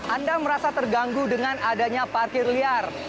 anda merasa terganggu dengan adanya parkir liar